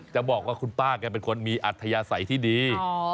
จะบอกว่าคุณป้าแกเป็นคนมีอัธยาศัยที่ดี